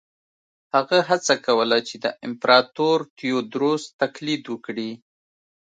هغه هڅه کوله چې د امپراتور تیوودروس تقلید وکړي.